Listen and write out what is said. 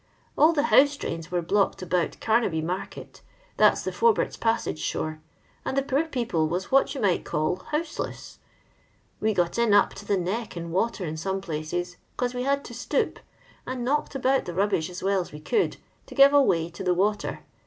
All the house drains were blocked about Gamaby market — that 's the Foubert's passage shore — and the poor people was what you might call houseless. We got in up to the neck in water in some pbues, 'cause we had to stoop, and knocked abont the rubbish as well as we could, to give a way to the water.